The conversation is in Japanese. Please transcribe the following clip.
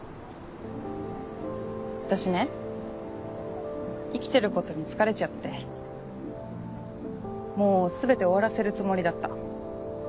私ね生きてることに疲れちゃってもう全て終わらせるつもりだった。